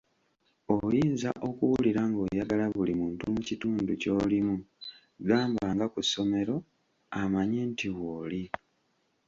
Oyinza okuwulira ng'oyagala buli muntu mu kitundu ky'olimu gamba nga ku ssomero amanye nti w'oli.